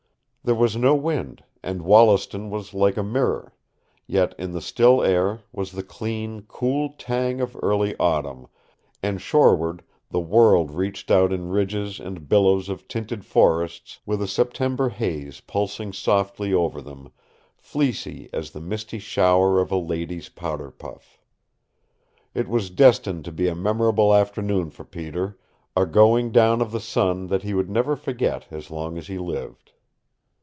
There was no wind, and Wollaston was like a mirror; yet in the still air was the clean, cool tang of early autumn, and shoreward the world reached out in ridges and billows of tinted forests, with a September haze pulsing softly over them, fleecy as the misty shower of a lady's powder puff. It was destined to be a memorable afternoon for Peter, a going down of the sun that he would never forget as long as he lived.